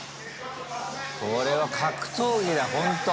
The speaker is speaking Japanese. これは格闘技だほんと。